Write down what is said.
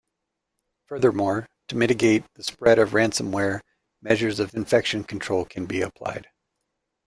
Furthermore, to mitigate the spread of ransomware measures of infection control can be applied.